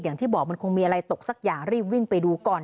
อย่างที่บอกมันคงมีอะไรตกสักอย่างรีบวิ่งไปดูก่อน